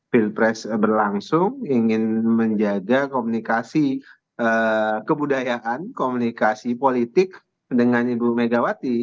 pilpres berlangsung ingin menjaga komunikasi kebudayaan komunikasi politik dengan ibu megawati